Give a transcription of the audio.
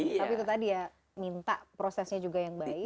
tapi itu tadi ya minta prosesnya juga yang baik